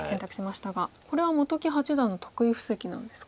これは本木八段の得意布石なんですか？